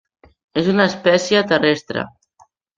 És una espècie terrestre.